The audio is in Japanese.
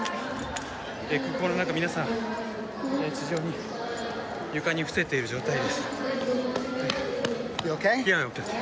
空港の中、皆さん地上に床に伏せている状態です。